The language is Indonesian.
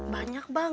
banyak bang yang